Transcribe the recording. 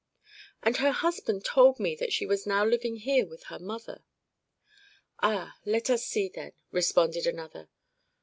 "And her husband told me that she was now living here with her mother." "Ah, let us see, then," responded another.